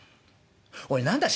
「おい何だい？